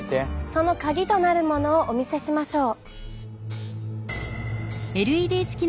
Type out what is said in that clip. そのカギとなるものをお見せしましょう。